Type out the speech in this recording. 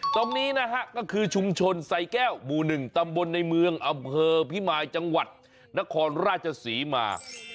ตรงนี้นะฮะก็คือชุมชนไซแก้วหมู่๑ตำบลในเมืองอำเภอพิมายจังหวัดนครราชศรีมา